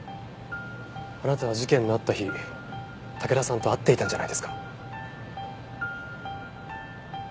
あなたは事件のあった日武田さんと会っていたんじゃないですか？